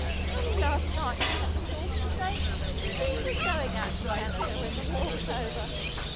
Only last night she had the sauce to say she was going out to Canada when the war was over!"